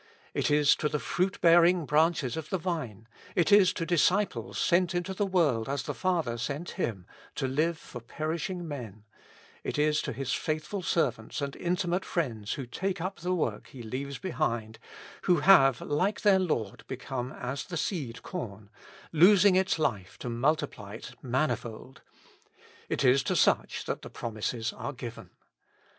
It is to the fruit bearing branches of the Vine ; it is to disciples sent into the world as the Father sent Him, to live for perishing men ; it is to His faithful servants and in timate friends who take up the work He leaves behind, who have like their Lord become as the seed corn, losing its life to multiply it manifold ;— it is to such that the promises are given.